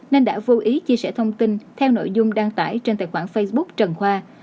nên đã vô ý chia sẻ thông tin theo nội dung đăng tải trên tài khoản facebook trần khoa